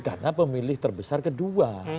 karena pemilih terbesar kedua